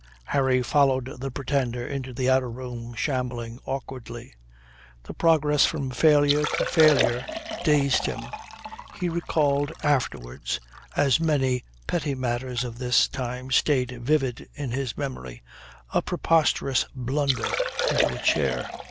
Harry followed the Pretender into the outer room, shambling awkwardly. The progress from failure to failure dazed him. He recalled afterwards, as many petty matters of this time stayed vivid in his memory, a preposterous blunder into a chair.